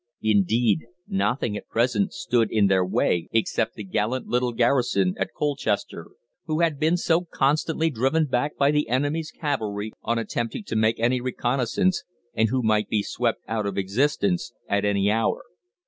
Indeed, nothing at present stood in their way except the gallant little garrison at Colchester, who had been so constantly driven back by the enemy's cavalry on attempting to make any reconnaissance, and who might be swept out of existence at any hour.